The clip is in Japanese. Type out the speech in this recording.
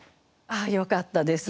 ああよかったです。